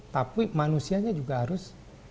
tapi manusianya juga harus